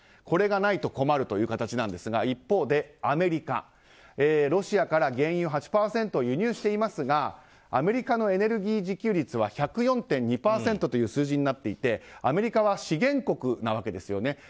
これがないと困るとい形ですが一方で、アメリカロシアから原油を輸入していますがアメリカのエネルギー自給率は１０４．２％という数字になっていてアメリカは資源国なわけですよね。